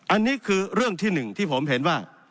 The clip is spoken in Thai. อันนี้คือเรื่องที่๑ที่ผมเห็นว่า